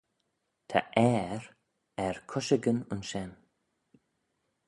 Ta airh er cushagyn ayns shen